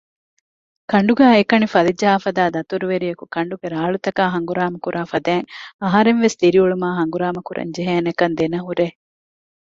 ކަނޑުގައި އެކަނި ފަލިޖަހާފައިދާ ދަތުރުވެރިޔަކު ކަނޑުގެ ރާޅުތަކާއި ހަނގުރާމަ ކުރާފަދައިން އަހަރެންވެސް ދިރިއުޅުމާއި ހަނގުރާމަ ކުރަން ޖެހޭނެކަން ދެނެހުރޭ